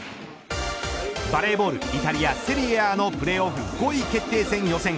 バレーボールイタリアセリエＡのプレーオフ５位決定戦予選。